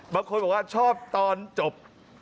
บางคนบอกว่าชอบตอนจบ